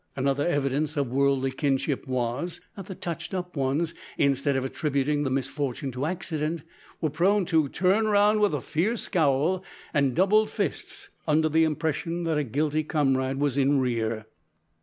Another evidence of worldly kinship was, that the touched up ones, instead of attributing the misfortune to accident, were prone to turn round with fierce scowl and doubled fists under the impression that a guilty comrade was in rear!